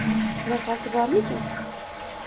Shunqasi bormikin?